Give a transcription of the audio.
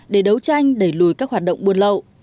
để đấu tranh đẩy lùi các hoạt động buôn lậu